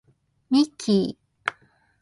ミッキー